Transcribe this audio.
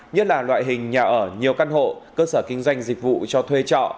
nhất là loại hình nhà ở nhiều căn hộ cơ sở kinh doanh dịch vụ cho thuê trọ